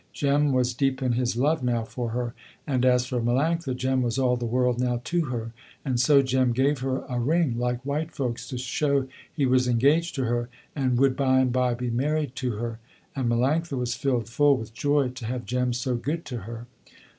Jem was deep in his love now for her. And as for Melanctha, Jem was all the world now to her. And so Jem gave her a ring, like white folks, to show he was engaged to her, and would by and by be married to her. And Melanctha was filled full with joy to have Jem so good to her.